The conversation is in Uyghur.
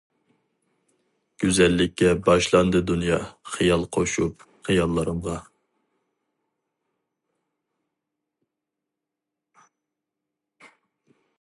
گۈزەللىككە باشلاندى دۇنيا، خىيال قوشۇپ خىياللىرىمغا.